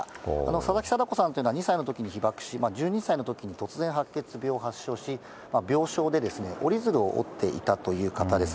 ささきさだこさんというのは、２歳のときに被爆し、１２歳のときに突然白血病を発症し、病床で折り鶴を折っていたという方です。